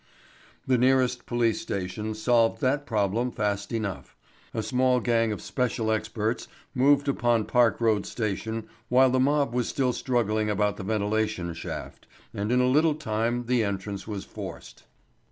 The nearest police station solved that problem fast enough. A small gang of special experts moved upon Park Road Station whilst the mob was still struggling about the ventilation shaft, and in a little time the entrance was forced.